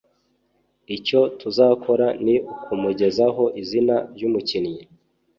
Icyo tuzakora ni ukumugezaho izina ry’umukinnyi